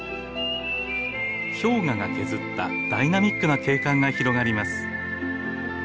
氷河が削ったダイナミックな景観が広がります。